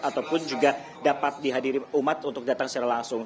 ataupun juga dapat dihadiri umat untuk datang secara langsung